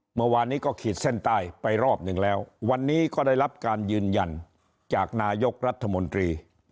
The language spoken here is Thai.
เมื่อวานนี้ก็ขีดเส้นใต้ไปรอบหนึ่งแล้ววันนี้ก็ได้รับการยืนยันจากนายกรัฐมนตรี